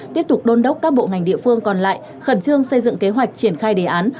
tiếp tục đôn đốc các bộ ngành địa phương còn lại khẩn trương xây dựng kế hoạch triển khai đề án